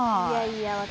いやいや私